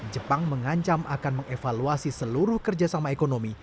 jepang mengancam akan mengevaluasi seluruh kerjasama ekonomi